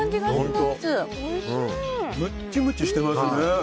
むちむちしてますね。